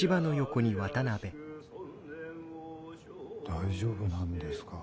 大丈夫なんですか？